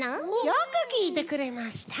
よくきいてくれました。